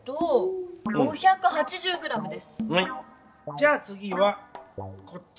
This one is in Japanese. じゃあつぎはこっち。